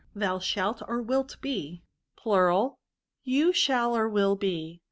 Thou shalt, or wilt, be. You shall, or will, be.